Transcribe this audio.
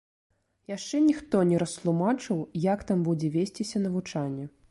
Яшчэ ніхто не растлумачыў, як там будзе весціся навучанне.